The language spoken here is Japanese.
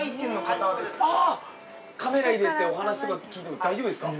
カメラ入れてお話とか聞いても大丈夫ですか？